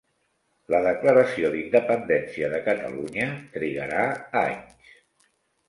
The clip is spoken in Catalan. La declaració d'independència de Catalunya trigarà anys.